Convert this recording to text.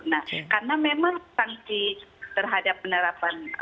nah karena memang sanksi terhadap penerapan